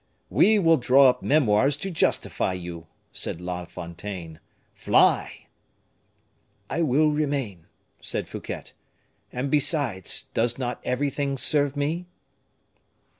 "We will draw up memoirs to justify you," said La Fontaine. "Fly!" "I will remain," said Fouquet. "And, besides, does not everything serve me?"